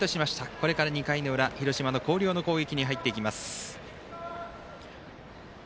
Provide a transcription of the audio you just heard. これから２回の裏、広島の広陵の攻撃に入っていきます。